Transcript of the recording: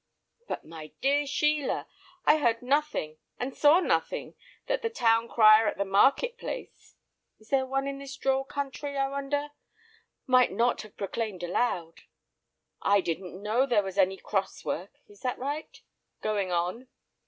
"But, my dear Sheila! I heard nothing and saw nothing that the town crier at the market place (is there one in this droll country, I wonder?) might not have proclaimed aloud. I didn't know there was any 'cross' work (is that right?) going on.